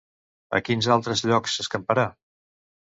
A quins altres llocs s'escamparà?